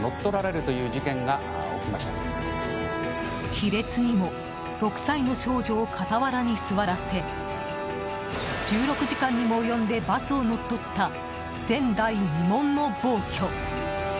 卑劣にも６歳の少女を傍らに座らせ１６時間にも及んでバスを乗っ取った前代未聞の暴挙。